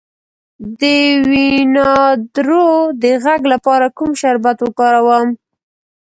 د وینادرو د غږ لپاره کوم شربت وکاروم؟